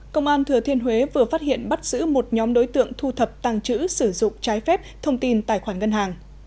công an thừa thiên huế vừa phát hiện bắt giữ một nhóm đối tượng thu thập tăng trữ sử dụng trái phép thông tin tài khoản ngân hàng